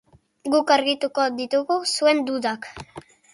Guk argituko ditugu zuen dudak.